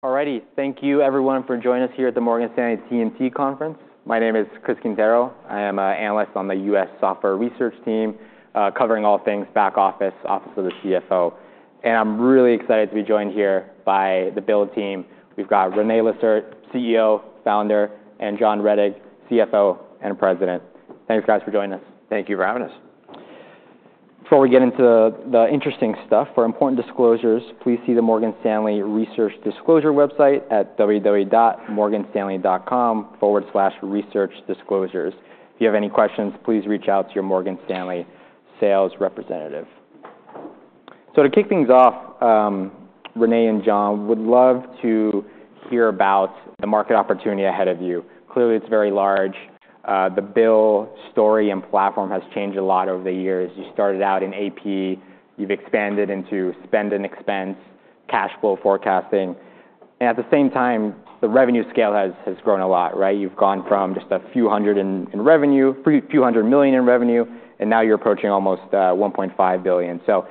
All righty. Thank you, everyone, for joining us here at the Morgan Stanley TMT Conference. My name is Chris Quintero. I am an analyst on the U.S. software research team, covering all things back office, office of the CFO. And I'm really excited to be joined here by the BILL team. We've got René Lacerte, CEO, founder, and John Rettig, CFO and President. Thanks, guys, for joining us. Thank you for having us. Before we get into the interesting stuff, for important disclosures, please see the Morgan Stanley Research Disclosure website at www.morganstanley.com/researchdisclosures. If you have any questions, please reach out to your Morgan Stanley sales representative. So to kick things off, René and John, we'd love to hear about the market opportunity ahead of you. Clearly, it's very large. The BILL story and platform has changed a lot over the years. You started out in AP. You've expanded into Spend & Expense, cash flow forecasting. And at the same time, the revenue scale has grown a lot, right? You've gone from just a few hundred in revenue, a few hundred million in revenue, and now you're approaching almost $1.5 billion. So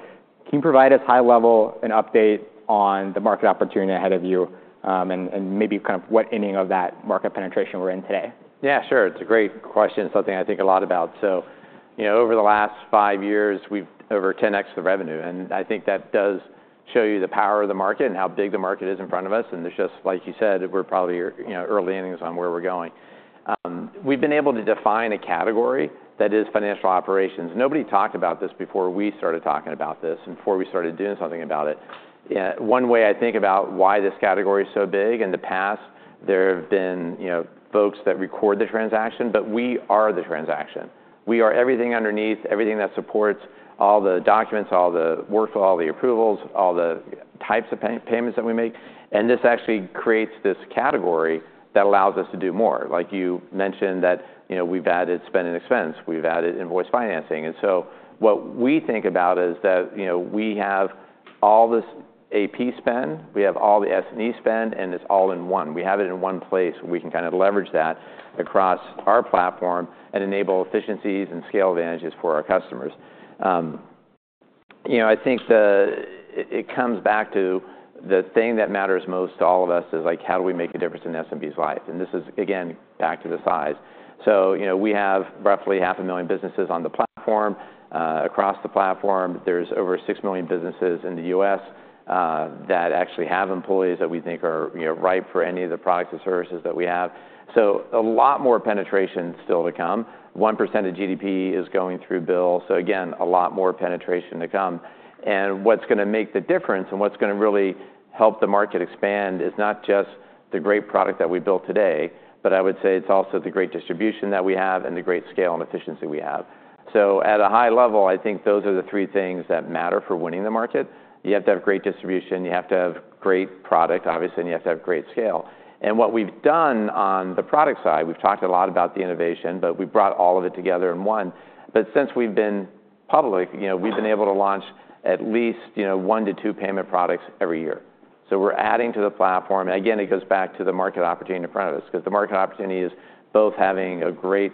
can you provide us high-level an update on the market opportunity ahead of you and maybe kind of what ending of that market penetration we're in today? Yeah, sure. It's a great question, something I think a lot about. So over the last five years, we've over 10x the revenue. And I think that does show you the power of the market and how big the market is in front of us. And it's just, like you said, we're probably early innings on where we're going. We've been able to define a category that is financial operations. Nobody talked about this before we started talking about this and before we started doing something about it. One way I think about why this category is so big, in the past, there have been folks that record the transaction, but we are the transaction. We are everything underneath, everything that supports all the documents, all the workflow, all the approvals, all the types of payments that we make. This actually creates this category that allows us to do more. Like you mentioned that we've added Spend & Expense. We've added Invoice Financing. And so what we think about is that we have all this AP spend. We have all the S&E spend, and it's all in one. We have it in one place. We can kind of leverage that across our platform and enable efficiencies and scale advantages for our customers. I think it comes back to the thing that matters most to all of us is, like, how do we make a difference in SMB's life? And this is, again, back to the size. So we have roughly 500,000 businesses on the platform. Across the platform, there's over 6 million businesses in the U.S. that actually have employees that we think are ripe for any of the products and services that we have. A lot more penetration still to come. 1% of GDP is going through BILL. Again, a lot more penetration to come. What's going to make the difference and what's going to really help the market expand is not just the great product that we built today, but I would say it's also the great distribution that we have and the great scale and efficiency we have. At a high level, I think those are the three things that matter for winning the market. You have to have great distribution. You have to have great product, obviously, and you have to have great scale. What we've done on the product side, we've talked a lot about the innovation, but we brought all of it together in one. Since we've been public, we've been able to launch at least one to two payment products every year. So we're adding to the platform. And again, it goes back to the market opportunity in front of us because the market opportunity is both having a great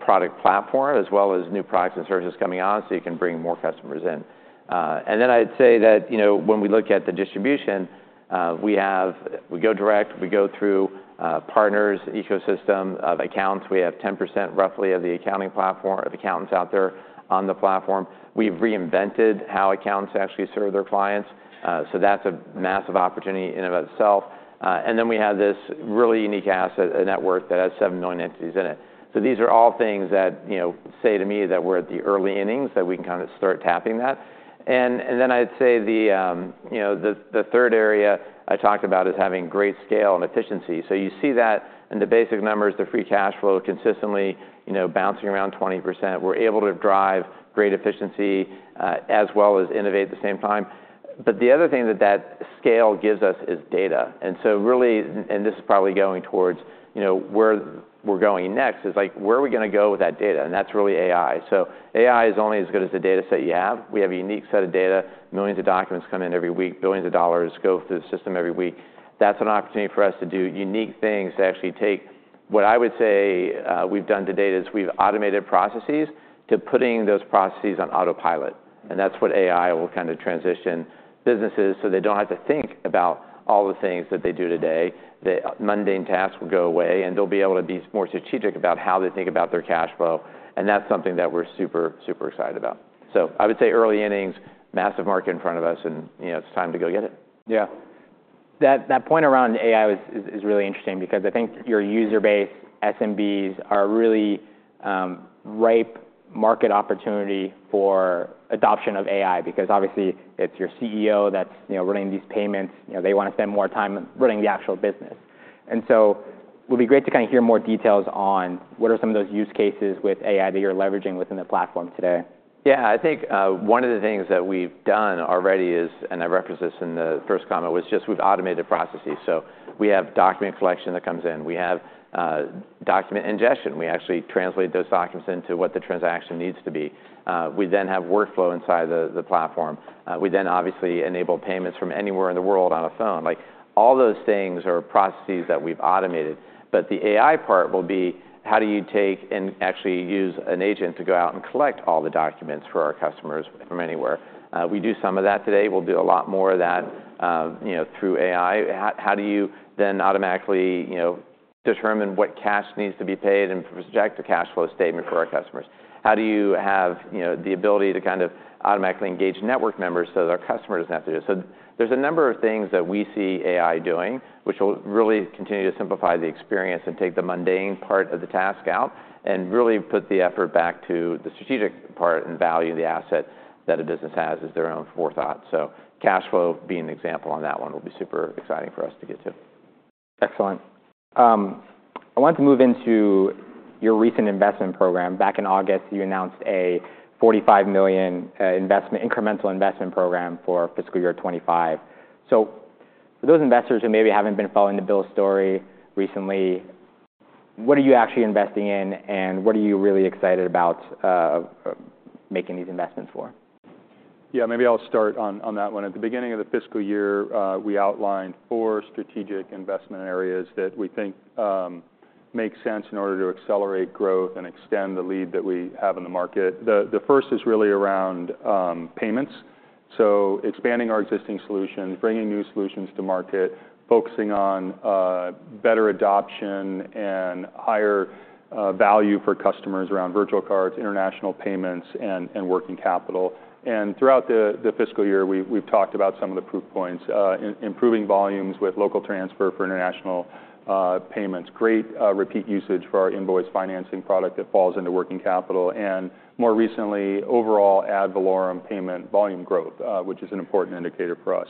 product platform as well as new products and services coming on so you can bring more customers in. And then I'd say that when we look at the distribution, we go direct. We go through partners, ecosystem of accounts. We have 10% roughly of the accounting platform of accountants out there on the platform. We've reinvented how accounts actually serve their clients. So that's a massive opportunity in and of itself. And then we have this really unique asset, a network that has 7 million entities in it. So these are all things that say to me that we're at the early innings, that we can kind of start tapping that. I'd say the third area I talked about is having great scale and efficiency. You see that in the basic numbers, the free cash flow consistently bouncing around 20%. We're able to drive great efficiency as well as innovate at the same time. The other thing that that scale gives us is data. So really, and this is probably going towards where we're going next, is, like, where are we going to go with that data? That's really AI. AI is only as good as the data set you have. We have a unique set of data. Millions of documents come in every week. Billions of dollars go through the system every week. That's an opportunity for us to do unique things to actually take what I would say we've done to data is we've automated processes to putting those processes on autopilot. And that's what AI will kind of transition businesses so they don't have to think about all the things that they do today. The mundane tasks will go away, and they'll be able to be more strategic about how they think about their cash flow. And that's something that we're super, super excited about. So I would say early innings, massive market in front of us, and it's time to go get it. Yeah. That point around AI is really interesting because I think your user base, SMBs, are a really ripe market opportunity for adoption of AI because obviously it's your CEO that's running these payments. They want to spend more time running the actual business. And so it would be great to kind of hear more details on what are some of those use cases with AI that you're leveraging within the platform today? Yeah. I think one of the things that we've done already is, and I referenced this in the first comment, was just we've automated processes. So we have document collection that comes in. We have document ingestion. We actually translate those documents into what the transaction needs to be. We then have workflow inside the platform. We then obviously enable payments from anywhere in the world on a phone. All those things are processes that we've automated. But the AI part will be, how do you take and actually use an agent to go out and collect all the documents for our customers from anywhere? We do some of that today. We'll do a lot more of that through AI. How do you then automatically determine what cash needs to be paid and project a cash flow statement for our customers? How do you have the ability to kind of automatically engage network members so that our customer doesn't have to do it? So, there's a number of things that we see AI doing, which will really continue to simplify the experience and take the mundane part of the task out and really put the effort back to the strategic part and value the asset that a business has as their own forethought. So, cash flow being an example on that one will be super exciting for us to get to. Excellent. I wanted to move into your recent investment program. Back in August, you announced a $45 million incremental investment program for fiscal year 2025. So for those investors who maybe haven't been following the BILL story recently, what are you actually investing in, and what are you really excited about making these investments for? Yeah, maybe I'll start on that one. At the beginning of the fiscal year, we outlined four strategic investment areas that we think make sense in order to accelerate growth and extend the lead that we have in the market. The first is really around payments. So expanding our existing solutions, bringing new solutions to market, focusing on better adoption and higher value for customers around virtual cards, international payments, and Working Capital. And throughout the fiscal year, we've talked about some of the proof points, improving volumes with Local Transfer for international payments, great repeat usage for our Invoice Financing product that falls into Working Capital, and more recently, overall ad valorem payment volume growth, which is an important indicator for us.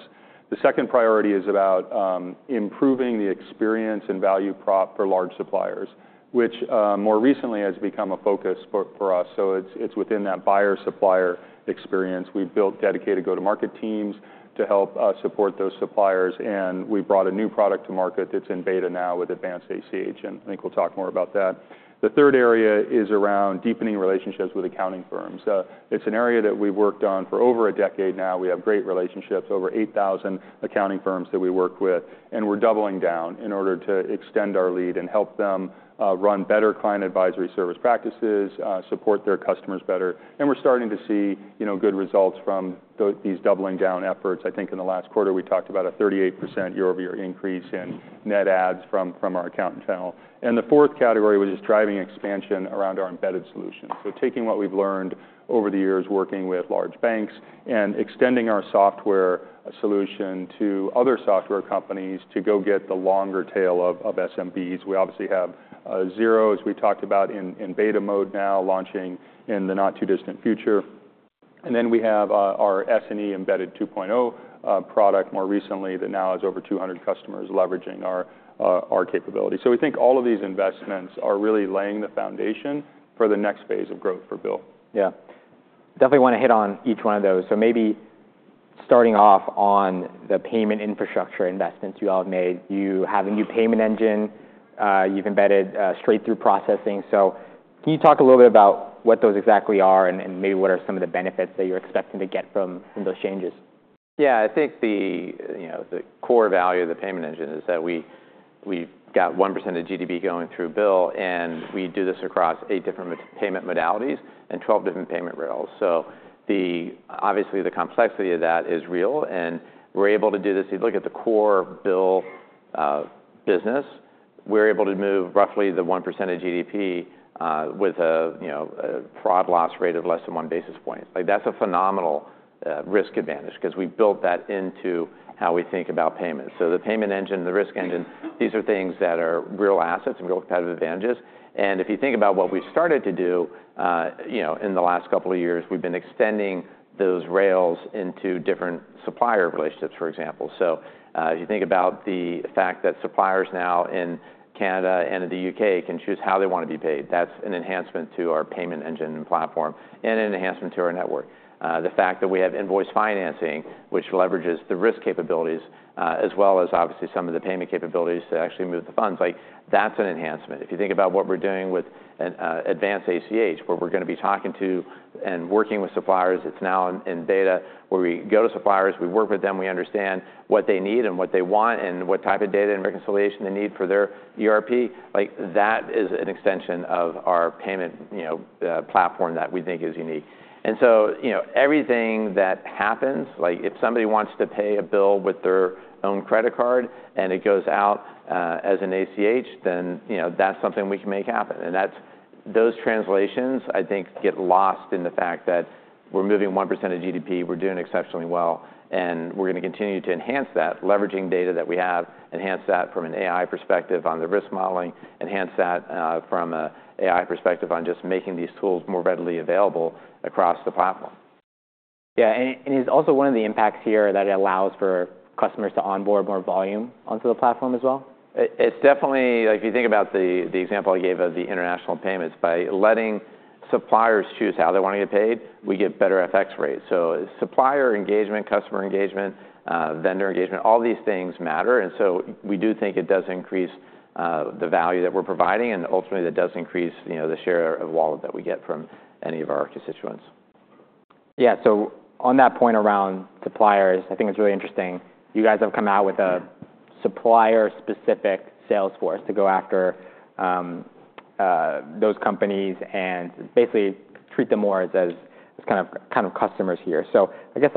The second priority is about improving the experience and value prop for large suppliers, which more recently has become a focus for us. So it's within that buyer-supplier experience. We've built dedicated go-to-market teams to help support those suppliers. And we brought a new product to market that's in beta now with Advanced ACH. And I think we'll talk more about that. The third area is around deepening relationships with accounting firms. It's an area that we've worked on for over a decade now. We have great relationships, over 8,000 accounting firms that we work with. And we're doubling down in order to extend our lead and help them run better client advisory service practices, support their customers better. And we're starting to see good results from these doubling down efforts. I think in the last quarter, we talked about a 38% year-over-year increase in net adds from our accountant channel. And the fourth category was just driving expansion around our embedded solutions. So taking what we've learned over the years working with large banks and extending our software solution to other software companies to go get the longer tail of SMBs. We obviously have Xero, as we talked about, in beta mode now, launching in the not-too-distant future. And then we have our S&E Embedded 2.0 product more recently that now has over 200 customers leveraging our capability. So we think all of these investments are really laying the foundation for the next phase of growth for BILL. Yeah. Definitely want to hit on each one of those. So maybe starting off on the payment infrastructure investments you all have made. You have a new payment engine. You've embedded straight-through processing. So can you talk a little bit about what those exactly are and maybe what are some of the benefits that you're expecting to get from those changes? Yeah. I think the core value of the payment engine is that we've got 1% of GDP going through BILL. And we do this across eight different payment modalities and 12 different payment rails. So obviously, the complexity of that is real. And we're able to do this. If you look at the core BILL business, we're able to move roughly the 1% of GDP with a fraud loss rate of less than one basis point. That's a phenomenal risk advantage because we've built that into how we think about payments. So the payment engine, the risk engine, these are things that are real assets and real competitive advantages. And if you think about what we've started to do in the last couple of years, we've been extending those rails into different supplier relationships, for example. So if you think about the fact that suppliers now in Canada and in the U.K. can choose how they want to be paid, that's an enhancement to our payment engine and platform and an enhancement to our network. The fact that we have Invoice Financing, which leverages the risk capabilities, as well as obviously some of the payment capabilities to actually move the funds, that's an enhancement. If you think about what we're doing with Advanced ACH, where we're going to be talking to and working with suppliers, it's now in beta where we go to suppliers, we work with them, we understand what they need and what they want and what type of data and reconciliation they need for their ERP, that is an extension of our payment platform that we think is unique. Everything that happens, like if somebody wants to pay a bill with their own credit card and it goes out as an ACH, then that's something we can make happen. Those translations, I think, get lost in the fact that we're moving 1% of GDP. We're doing exceptionally well. We're going to continue to enhance that, leveraging data that we have, enhance that from an AI perspective on the risk modeling, enhance that from an AI perspective on just making these tools more readily available across the platform. Yeah. And is also one of the impacts here that it allows for customers to onboard more volume onto the platform as well? It's definitely, if you think about the example I gave of the international payments, by letting suppliers choose how they want to get paid, we get better FX rates. So supplier engagement, customer engagement, vendor engagement, all these things matter. And so we do think it does increase the value that we're providing. And ultimately, that does increase the share of wallet that we get from any of our constituents. Yeah, so on that point around suppliers, I think it's really interesting. You guys have come out with a supplier-specific sales force to go after those companies and basically treat them more as kind of customers here, so I guess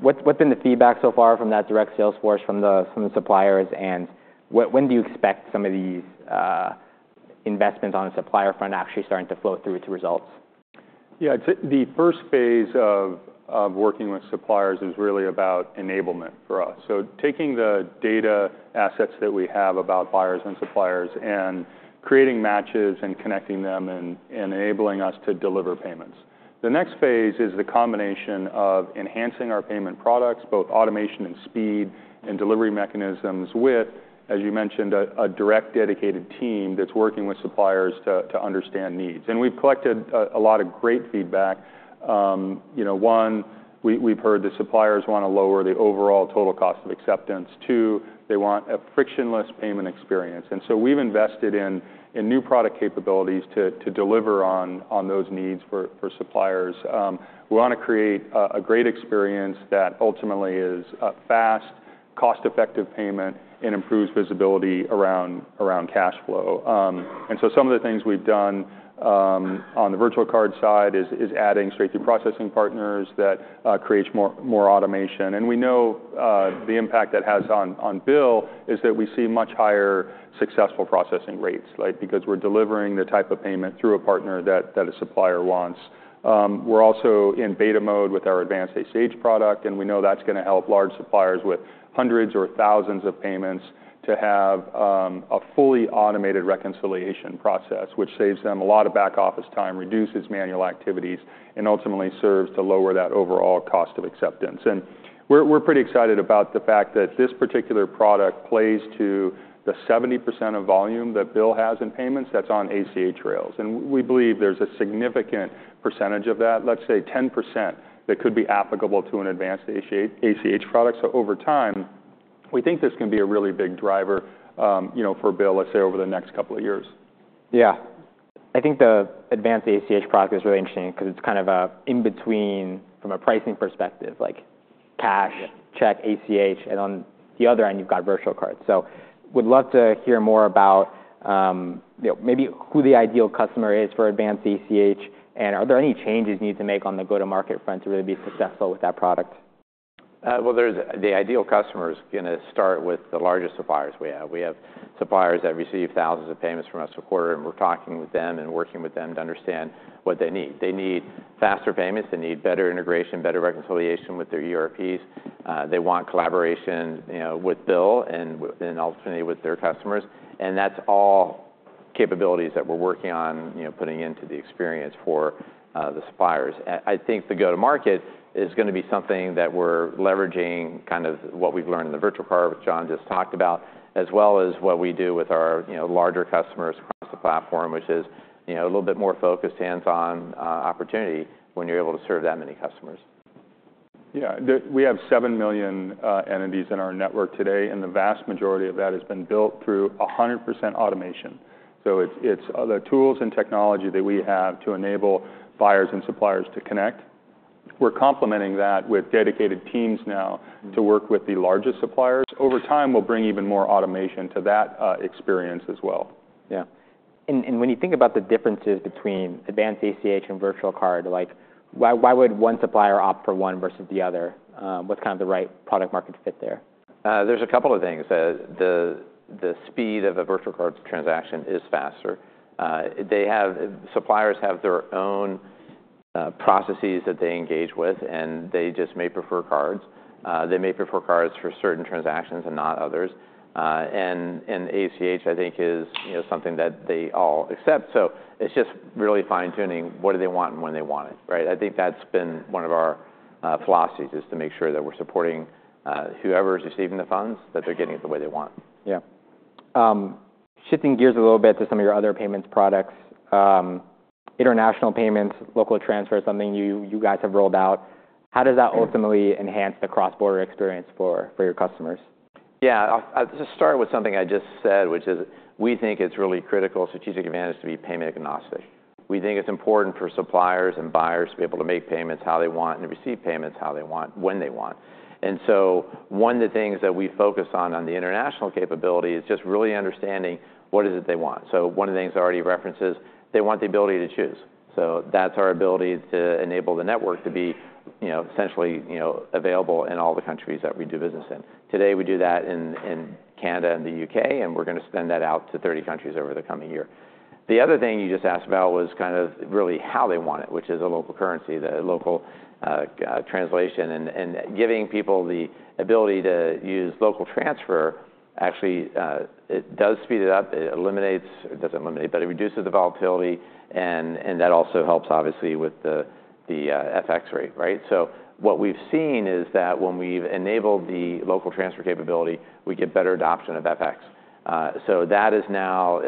what's been the feedback so far from that direct sales force from the suppliers, and when do you expect some of these investments on the supplier front actually starting to flow through to results? Yeah. The first phase of working with suppliers is really about enablement for us. So taking the data assets that we have about buyers and suppliers and creating matches and connecting them and enabling us to deliver payments. The next phase is the combination of enhancing our payment products, both automation and speed and delivery mechanisms with, as you mentioned, a direct dedicated team that's working with suppliers to understand needs. And we've collected a lot of great feedback. One, we've heard the suppliers want to lower the overall total cost of acceptance. Two, they want a frictionless payment experience. And so we've invested in new product capabilities to deliver on those needs for suppliers. We want to create a great experience that ultimately is fast, cost-effective payment and improves visibility around cash flow. And so some of the things we've done on the virtual card side is adding straight-through processing partners that creates more automation. And we know the impact that has on BILL is that we see much higher successful processing rates because we're delivering the type of payment through a partner that a supplier wants. We're also in beta mode with our Advanced ACH product. And we know that's going to help large suppliers with hundreds or thousands of payments to have a fully automated reconciliation process, which saves them a lot of back office time, reduces manual activities, and ultimately serves to lower that overall cost of acceptance. We're pretty excited about the fact that this particular product plays to the 70% of volume that BILL has in payments that's on ACH rails. We believe there's a significant percentage of that, let's say 10%, that could be applicable to an Advanced ACH product. Over time, we think this can be a really big driver for BILL, let's say, over the next couple of years. Yeah. I think the Advanced ACH product is really interesting because it's kind of in between from a pricing perspective, like cash, check, ACH, and on the other end, you've got virtual cards. So we'd love to hear more about maybe who the ideal customer is for Advanced ACH and are there any changes you need to make on the go-to-market front to really be successful with that product? The ideal customer is going to start with the largest suppliers we have. We have suppliers that receive thousands of payments from us a quarter. And we're talking with them and working with them to understand what they need. They need faster payments. They need better integration, better reconciliation with their ERPs. They want collaboration with BILL and ultimately with their customers. And that's all capabilities that we're working on putting into the experience for the suppliers. I think the go-to-market is going to be something that we're leveraging kind of what we've learned in the virtual card which John just talked about, as well as what we do with our larger customers across the platform, which is a little bit more focused, hands-on opportunity when you're able to serve that many customers. Yeah. We have 7 million entities in our network today, and the vast majority of that has been built through 100% automation, so it's the tools and technology that we have to enable buyers and suppliers to connect. We're complementing that with dedicated teams now to work with the largest suppliers. Over time, we'll bring even more automation to that experience as well. Yeah, and when you think about the differences between Advanced ACH and virtual card, why would one supplier opt for one versus the other? What's kind of the right product-market fit there? There's a couple of things. The speed of a virtual card transaction is faster. Suppliers have their own processes that they engage with. And they just may prefer cards. They may prefer cards for certain transactions and not others. And ACH, I think, is something that they all accept. So it's just really fine-tuning what do they want and when they want it. I think that's been one of our philosophies is to make sure that we're supporting whoever is receiving the funds that they're getting it the way they want. Yeah. Shifting gears a little bit to some of your other payments products. International payments, Local Transfer is something you guys have rolled out. How does that ultimately enhance the cross-border experience for your customers? Yeah. I'll just start with something I just said, which is we think it's really critical strategic advantage to be payment agnostic. We think it's important for suppliers and buyers to be able to make payments how they want and receive payments how they want when they want, and so one of the things that we focus on in the international capability is just really understanding what it is they want, so one of the things I already referenced is they want the ability to choose, so that's our ability to enable the network to be essentially available in all the countries that we do business in. Today, we do that in Canada and the U.K. and we're going to expand that out to 30 countries over the coming year. The other thing you just asked about was kind of really how they want it, which is a local currency, the local translation, and giving people the ability to use Local Transfer actually does speed it up. It eliminates or doesn't eliminate, but it reduces the volatility, and that also helps, obviously, with the FX rate, so what we've seen is that when we've enabled the Local Transfer capability, we get better adoption of FX, so that is now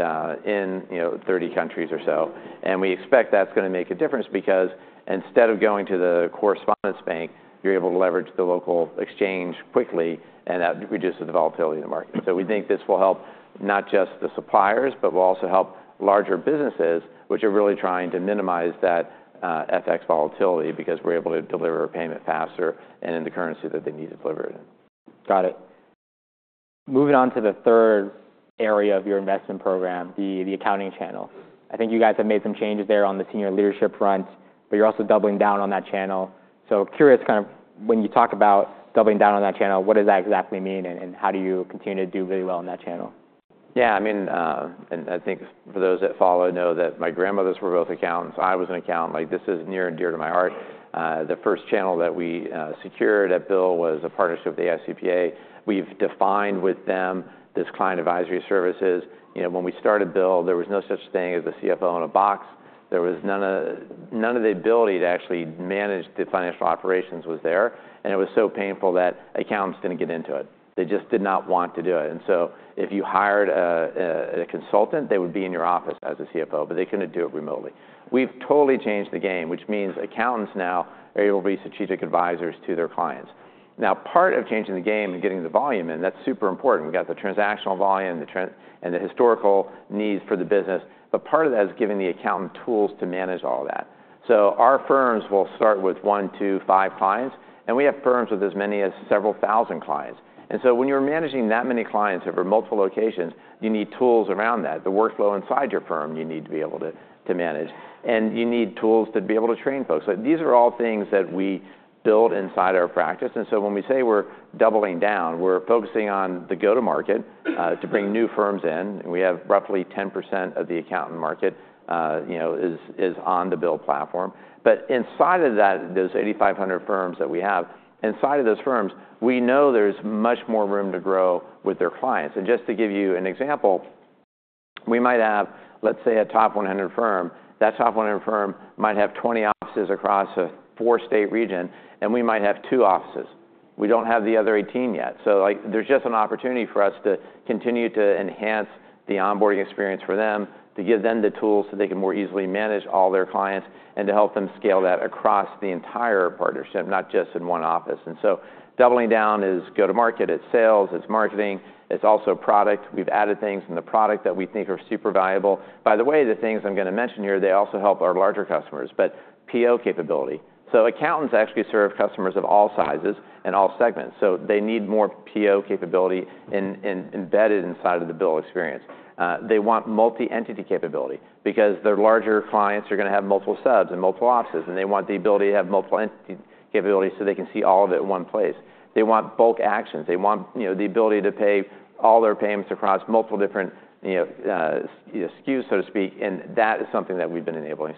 in 30 countries or so, and we expect that's going to make a difference because instead of going to the correspondent bank, you're able to leverage the local exchange quickly, and that reduces the volatility of the market. So we think this will help not just the suppliers, but will also help larger businesses, which are really trying to minimize that FX volatility because we're able to deliver a payment faster and in the currency that they need to deliver it in. Got it. Moving on to the third area of your investment program, the accounting channel. I think you guys have made some changes there on the senior leadership front. But you're also doubling down on that channel. So curious kind of when you talk about doubling down on that channel, what does that exactly mean? And how do you continue to do really well in that channel? Yeah. I mean, and I think for those that follow know that my grandmothers were both accountants. I was an accountant. This is near and dear to my heart. The first channel that we secured at BILL was a partnership with the AICPA. We've defined with them this Client Advisory Services. When we started BILL, there was no such thing as a CFO in a box. None of the ability to actually manage the financial operations was there. And it was so painful that accountants didn't get into it. They just did not want to do it. And so if you hired a consultant, they would be in your office as a CFO. But they couldn't do it remotely. We've totally changed the game, which means accountants now are able to be strategic advisors to their clients. Now, part of changing the game and getting the volume in, that's super important. We've got the transactional volume and the historical needs for the business. But part of that is giving the accountant tools to manage all that. So our firms will start with one, two, five clients. And we have firms with as many as several thousand clients. And so when you're managing that many clients over multiple locations, you need tools around that. The workflow inside your firm you need to be able to manage. And you need tools to be able to train folks. These are all things that we build inside our practice. And so when we say we're doubling down, we're focusing on the go-to-market to bring new firms in. And we have roughly 10% of the accountant market is on the BILL platform. Inside of those 8,500 firms that we have, inside of those firms, we know there's much more room to grow with their clients. And just to give you an example, we might have, let's say, a top 100 firm. That top 100 firm might have 20 offices across a four-state region. And we might have two offices. We don't have the other 18 yet. So there's just an opportunity for us to continue to enhance the onboarding experience for them, to give them the tools so they can more easily manage all their clients, and to help them scale that across the entire partnership, not just in one office. And so doubling down is go-to-market. It's sales. It's marketing. It's also product. We've added things in the product that we think are super valuable. By the way, the things I'm going to mention here, they also help our larger customers, but PO capability, so accountants actually serve customers of all sizes and all segments, so they need more PO capability embedded inside of the BILL experience. They want multi-entity capability because their larger clients are going to have multiple subs and multiple offices, and they want the ability to have multiple entity capability so they can see all of it in one place. They want bulk actions. They want the ability to pay all their payments across multiple different SKUs, so to speak, and that is something that we've been enabling,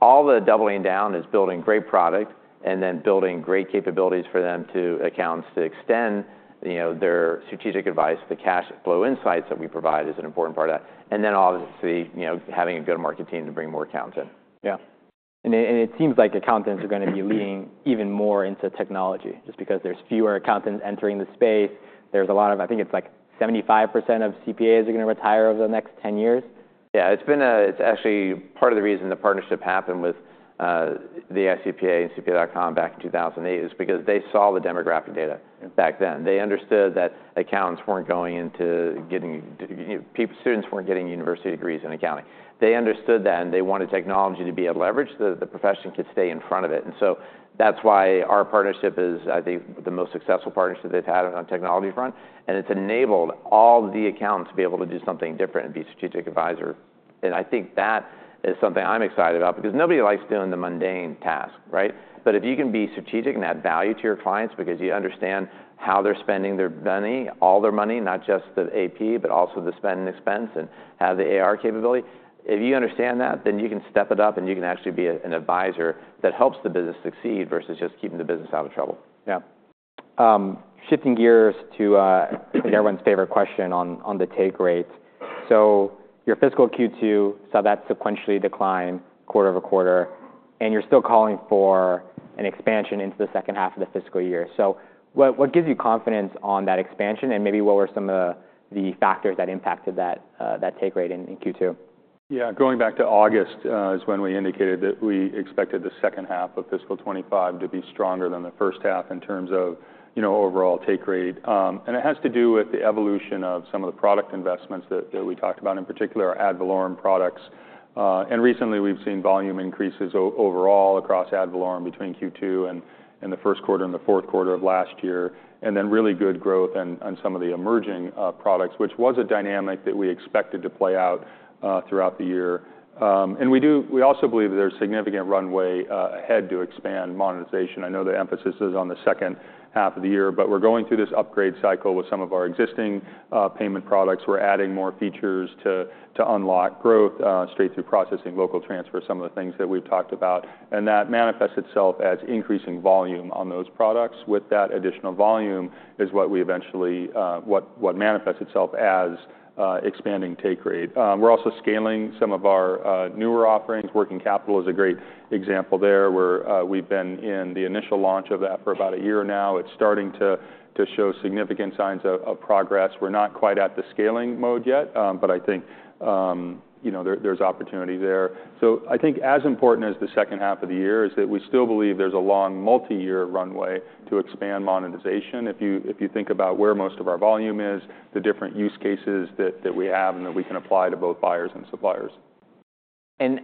so all the doubling down is building great product and then building great capabilities for them to accountants to extend their strategic advice. The cash flow insights that we provide is an important part of that. And then obviously having a go-to-market team to bring more accounts in. Yeah. And it seems like accountants are going to be leaning even more into technology just because there's fewer accountants entering the space. There's a lot of, I think it's like 75% of CPAs are going to retire over the next 10 years. Yeah. It's actually part of the reason the partnership happened with the AICPA and CPA.com back in 2008 is because they saw the demographic data back then. They understood that accountants weren't going into, students weren't getting university degrees in accounting. They understood that. And they wanted technology to be a leverage so that the profession could stay in front of it. And so that's why our partnership is, I think, the most successful partnership they've had on the technology front. It's enabled all the accountants to be able to do something different and be strategic advisors. And I think that is something I'm excited about because nobody likes doing the mundane task. But if you can be strategic and add value to your clients because you understand how they're spending their money, all their money, not just the AP, but also the Spend & Expense and have the AR capability, if you understand that, then you can step it up. And you can actually be an advisor that helps the business succeed versus just keeping the business out of trouble. Yeah. Shifting gears to everyone's favorite question on the take rate. So your fiscal Q2 saw that sequentially decline quarter over quarter. And you're still calling for an expansion into the second half of the fiscal year. So what gives you confidence on that expansion? And maybe what were some of the factors that impacted that take rate in Q2? Yeah. Going back to August is when we indicated that we expected the second half of fiscal 2025 to be stronger than the first half in terms of overall take rate. And it has to do with the evolution of some of the product investments that we talked about, in particular our ad valorem products. And recently, we've seen volume increases overall across ad valorem between Q2 and the first quarter and the fourth quarter of last year, and then really good growth on some of the emerging products, which was a dynamic that we expected to play out throughout the year. And we also believe that there's significant runway ahead to expand monetization. I know the emphasis is on the second half of the year. But we're going through this upgrade cycle with some of our existing payment products. We're adding more features to unlock growth straight-through processing, Local Transfer, some of the things that we've talked about, and that manifests itself as increasing volume on those products. With that additional volume is what we eventually manifests itself as expanding take rate. We're also scaling some of our newer offerings. Working Capital is a great example there where we've been in the initial launch of that for about a year now. It's starting to show significant signs of progress. We're not quite at the scaling mode yet, but I think there's opportunity there, so I think as important as the second half of the year is that we still believe there's a long multi-year runway to expand monetization if you think about where most of our volume is, the different use cases that we have, and that we can apply to both buyers and suppliers. And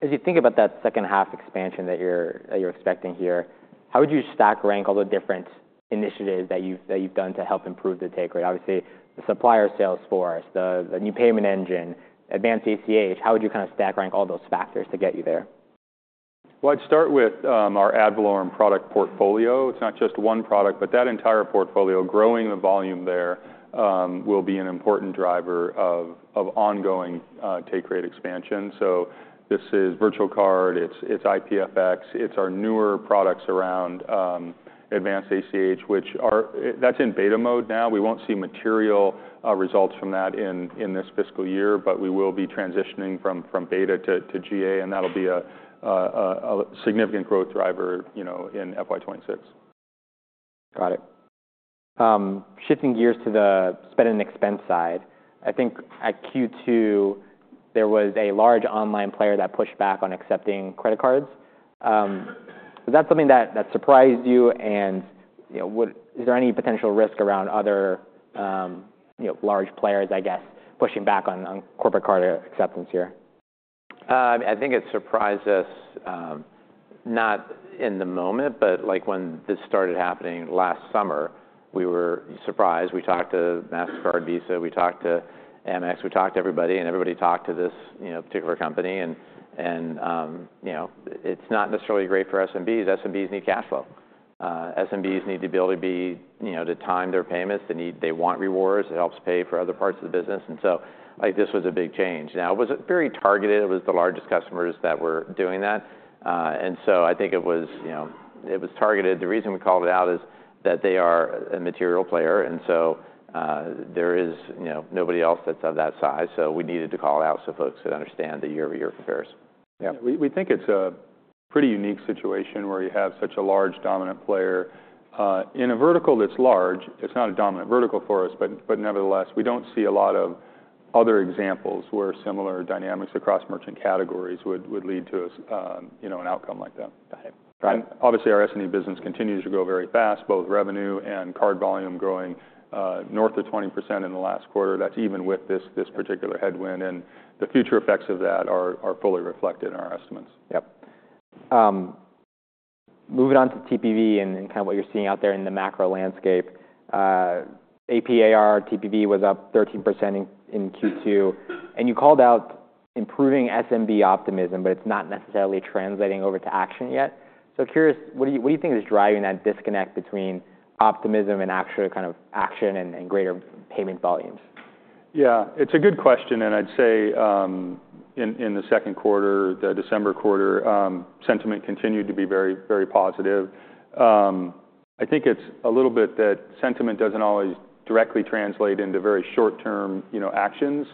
as you think about that second half expansion that you're expecting here, how would you stack rank all the different initiatives that you've done to help improve the take rate? Obviously, the supplier sales force, the new payment engine, Advanced ACH. How would you kind of stack rank all those factors to get you there? I'd start with our ad valorem product portfolio. It's not just one product. That entire portfolio, growing the volume there, will be an important driver of ongoing take rate expansion. This is virtual card, it's IP FX, It's our newer products around Advanced ACH, which is in beta mode now. We won't see material results from that in this fiscal year. We will be transitioning from beta to GA. That'll be a significant growth driver in FY 2026. Got it. Shifting gears to the Spend & Expense side. I think at Q2, there was a large online player that pushed back on accepting credit cards. Was that something that surprised you? And is there any potential risk around other large players, I guess, pushing back on corporate card acceptance here? I think it surprised us not in the moment, but when this started happening last summer, we were surprised. We talked to Mastercard, Visa. We talked to Amex. We talked to everybody, and everybody talked to this particular company, and it's not necessarily great for SMBs. SMBs need cash flow. SMBs need to be able to time their payments. They want rewards. It helps pay for other parts of the business, and so this was a big change. Now, it was very targeted. It was the largest customers that were doing that, and so I think it was targeted. The reason we called it out is that they are a material player, and so there is nobody else that's of that size, so we needed to call it out so folks could understand the year-over-year comparisons. Yeah. We think it's a pretty unique situation where you have such a large dominant player. In a vertical that's large, it's not a dominant vertical for us. But nevertheless, we don't see a lot of other examples where similar dynamics across merchant categories would lead to an outcome like that. Got it. Obviously, our S&E business continues to grow very fast, both revenue and card volume growing north of 20% in the last quarter. That's even with this particular headwind, and the future effects of that are fully reflected in our estimates. Yep. Moving on to TPV and kind of what you're seeing out there in the macro landscape. AP/AR TPV was up 13% in Q2. And you called out improving SMB optimism. But it's not necessarily translating over to action yet. So, curious, what do you think is driving that disconnect between optimism and actual kind of action and greater payment volumes? Yeah. It's a good question. And I'd say in the second quarter, the December quarter, sentiment continued to be very, very positive. I think it's a little bit that sentiment doesn't always directly translate into very short-term actions,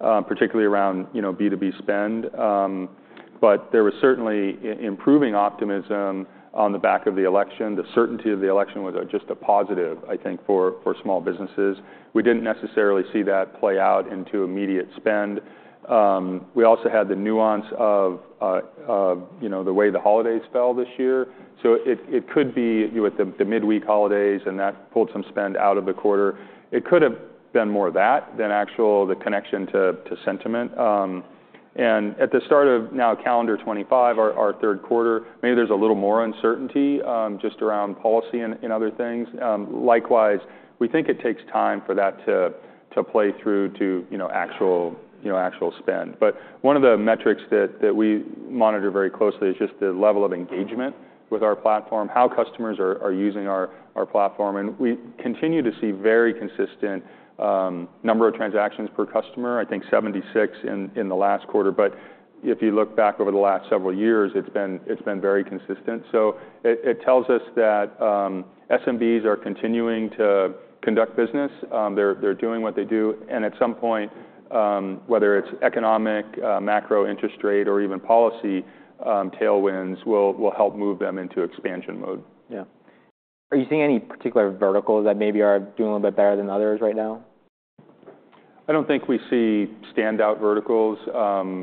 particularly around B2B spend. But there was certainly improving optimism on the back of the election. The certainty of the election was just a positive, I think, for small businesses. We didn't necessarily see that play out into immediate spend. We also had the nuance of the way the holidays fell this year. So it could be with the midweek holidays. And that pulled some spend out of the quarter. It could have been more of that than the actual connection to sentiment. And at the start of now calendar 2025, our third quarter, maybe there's a little more uncertainty just around policy and other things. Likewise, we think it takes time for that to play through to actual spend. But one of the metrics that we monitor very closely is just the level of engagement with our platform, how customers are using our platform. And we continue to see very consistent number of transactions per customer, I think 76% in the last quarter. But if you look back over the last several years, it's been very consistent. So it tells us that SMBs are continuing to conduct business. They're doing what they do. And at some point, whether it's economic, macro interest rate, or even policy tailwinds will help move them into expansion mode. Yeah. Are you seeing any particular verticals that maybe are doing a little bit better than others right now? I don't think we see standout verticals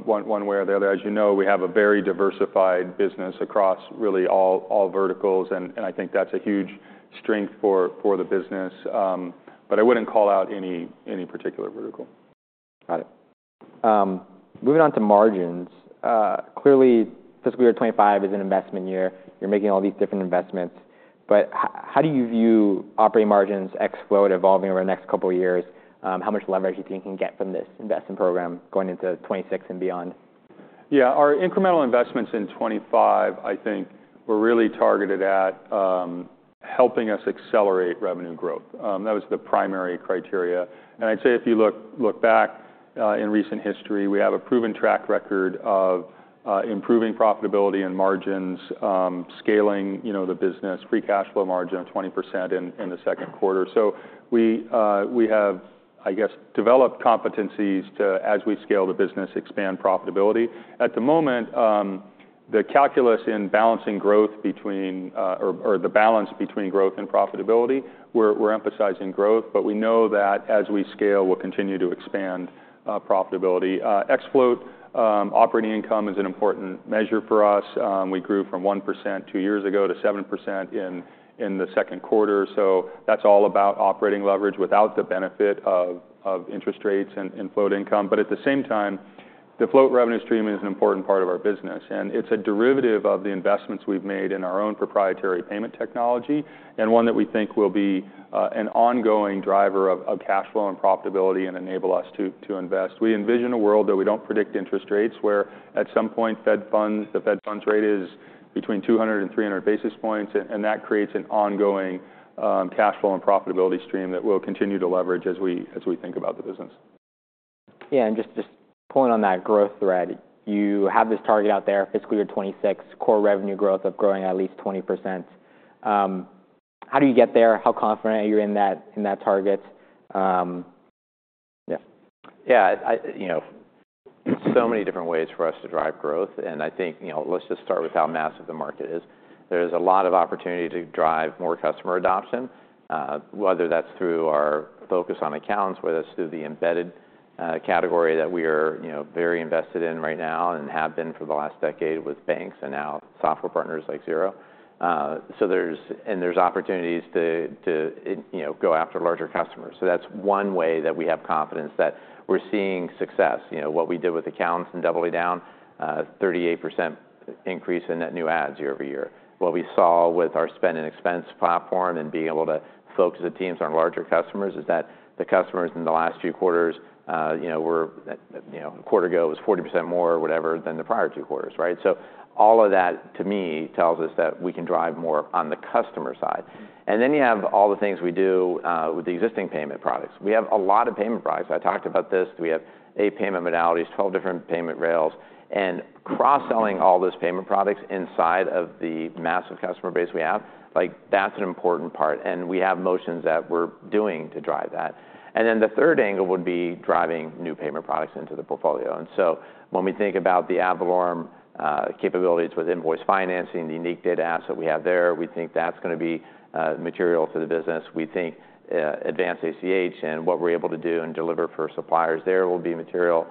one way or the other. As you know, we have a very diversified business across really all verticals. And I think that's a huge strength for the business. But I wouldn't call out any particular vertical. Got it. Moving on to margins. Clearly, fiscal year 2025 is an investment year. You're making all these different investments. But how do you view operating margins ex-float evolving over the next couple of years? How much leverage do you think you can get from this investment program going into 2026 and beyond? Yeah. Our incremental investments in 2025, I think, were really targeted at helping us accelerate revenue growth. That was the primary criteria. And I'd say if you look back in recent history, we have a proven track record of improving profitability and margins, scaling the business, free cash flow margin of 20% in the second quarter. So we have, I guess, developed competencies to, as we scale the business, expand profitability. At the moment, the calculus in balancing growth between or the balance between growth and profitability, we're emphasizing growth. But we know that as we scale, we'll continue to expand profitability. Ex-float, operating income is an important measure for us. We grew from 1% two years ago to 7% in the second quarter. So that's all about operating leverage without the benefit of interest rates and float income. But at the same time, the float revenue stream is an important part of our business. And it's a derivative of the investments we've made in our own proprietary payment technology and one that we think will be an ongoing driver of cash flow and profitability and enable us to invest. We envision a world that we don't predict interest rates where at some point, the Fed funds rate is between 200 and 300 basis points. And that creates an ongoing cash flow and profitability stream that we'll continue to leverage as we think about the business. Yeah, and just pulling on that growth thread, you have this target out there, fiscal year 2026, core revenue growth of growing at least 20%. How do you get there? How confident are you in that target? Yeah, so many different ways for us to drive growth. And I think let's just start with how massive the market is. There is a lot of opportunity to drive more customer adoption, whether that's through our focus on accounts, whether that's through the embedded category that we are very invested in right now and have been for the last decade with banks and now software partners like Xero. And there's opportunities to go after larger customers. So that's one way that we have confidence that we're seeing success. What we did with accounts and doubling down, 38% increase in net new adds year over year. What we saw with our Spend & Expense platform and being able to focus the teams on larger customers is that the customers in the last few quarters were a quarter ago, it was 40% more or whatever than the prior two quarters. So all of that, to me, tells us that we can drive more on the customer side. And then you have all the things we do with the existing payment products. We have a lot of payment products. I talked about this. We have eight payment modalities, 12 different payment rails. And cross-selling all those payment products inside of the massive customer base we have, that's an important part. And we have motions that we're doing to drive that. Then the third angle would be driving new payment products into the portfolio. And so when we think about the ad valorem capabilities with Invoice Financing, the unique data asset we have there, we think that's going to be material for the business. We think Advanced ACH and what we're able to do and deliver for suppliers there will be material.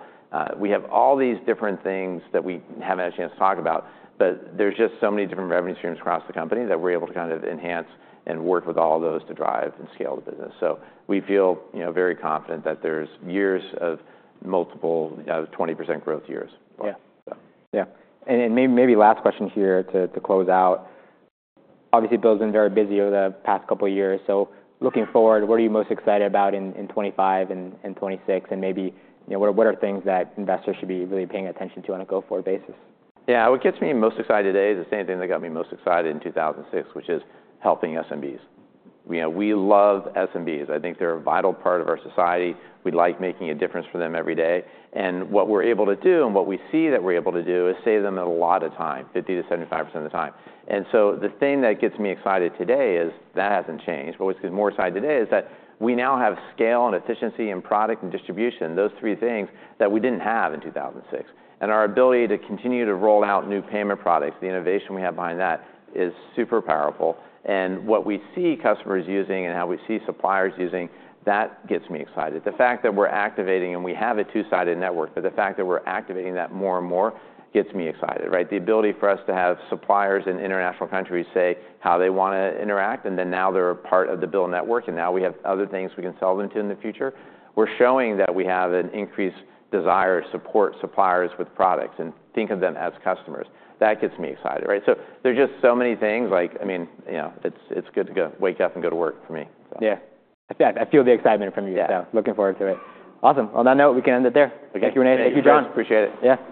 We have all these different things that we haven't had a chance to talk about. But there's just so many different revenue streams across the company that we're able to kind of enhance and work with all of those to drive and scale the business. So we feel very confident that there's years of multiple 20% growth years. Yeah. And maybe last question here to close out. Obviously, BILL's been very busy over the past couple of years. So looking forward, what are you most excited about in 2025 and 2026? And maybe what are things that investors should be really paying attention to on a go-forward basis? Yeah. What gets me most excited today is the same thing that got me most excited in 2006, which is helping SMBs. We love SMBs. I think they're a vital part of our society. We like making a difference for them every day, and what we're able to do and what we see that we're able to do is save them a lot of time, 50%-75% of the time, and so the thing that gets me excited today is that hasn't changed, but what gets me more excited today is that we now have scale and efficiency and product and distribution, those three things that we didn't have in 2006, and our ability to continue to roll out new payment products, the innovation we have behind that is super powerful, and what we see customers using and how we see suppliers using, that gets me excited. The fact that we're activating and we have a two-sided network, but the fact that we're activating that more and more gets me excited. The ability for us to have suppliers in international countries say how they want to interact, and then now they're a part of the BILL network, and now we have other things we can sell them to in the future. We're showing that we have an increased desire to support suppliers with products and think of them as customers. That gets me excited, so there are just so many things. I mean, it's good to wake up and go to work for me. Yeah. I feel the excitement from you still. Looking forward to it. Awesome. On that note, we can end it there. Thank you, René. Thank you, John. Appreciate it.